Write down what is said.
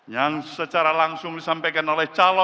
yang secara langsung disampaikan oleh calon